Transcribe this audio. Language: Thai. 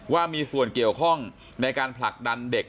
ว่ามีส่วนเกี่ยวข้องในการผลักดันเด็ก